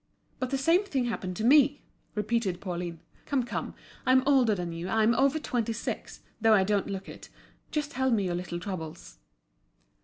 "But the same thing happened to me," repeated Pauline. "Come, come, I'm older than you, I'm over twenty six, though I don't look it. Just tell me your little troubles."